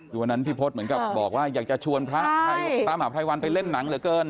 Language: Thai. คือวันนั้นพี่พศเหมือนกับบอกว่าอยากจะชวนพระมหาภัยวันไปเล่นหนังเหลือเกิน